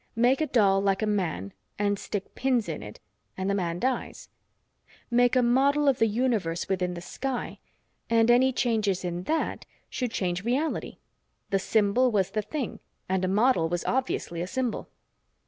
Make a doll like a man and stick pins in it and the man dies. Make a model of the universe within the sky, and any changes in that should change reality. The symbol was the thing, and a model was obviously a symbol.